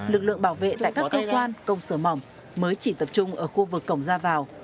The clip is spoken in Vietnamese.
lực lượng bảo vệ tại các cơ quan công sở mỏng mới chỉ tập trung ở khu vực cổng ra vào